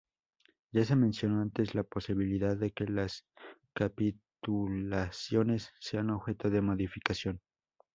Ya se mencionó antes la posibilidad de que las capitulaciones sean objeto de modificación.